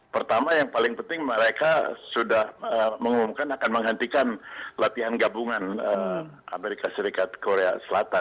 pertama yang paling penting mereka sudah mengumumkan akan menghentikan latihan gabungan amerika serikat korea selatan